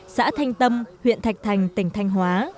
xã thanh tâm huyện thạch thành tỉnh thanh hóa